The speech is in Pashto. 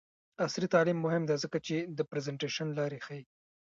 عصري تعلیم مهم دی ځکه چې د پریزنټیشن لارې ښيي.